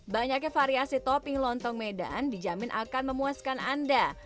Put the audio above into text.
banyaknya variasi topping lontong medan dijamin akan memuaskan anda